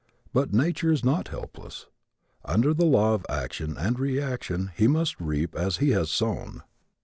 But nature is not helpless. Under the law of action and reaction he must reap as he has sown.